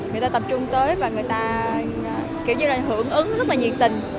người ta tập trung tới và người ta kiểu như là hưởng ứng rất là nhiệt tình